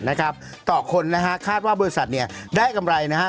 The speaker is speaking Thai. นะครับต่อคนนะฮะคาดว่าบริษัทเนี่ยได้กำไรนะฮะ